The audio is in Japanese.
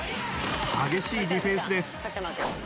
激しいディフェンスです。